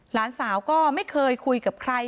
หลานสาวก็ไม่เคยคุยกับใคร